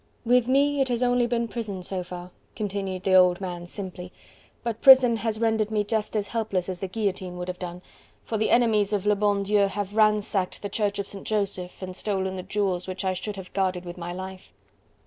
"With me it has only been prison so far," continued the old man simply, "but prison has rendered me just as helpless as the guillotine would have done, for the enemies of le bon Dieu have ransacked the Church of Saint Joseph and stolen the jewels which I should have guarded with my life."